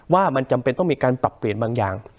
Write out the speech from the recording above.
ว่ามันจำเป็นต้องมีการปรับเปลี่ยนบางอย่าง